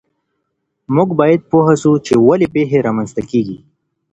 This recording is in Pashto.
موږ باید پوه سو چې ولې پیښې رامنځته کیږي.